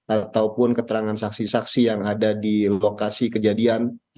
ataupun keterangan saksi saksi yang ada di lokasi kejadian